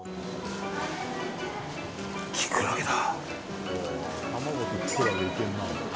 キクラゲだ。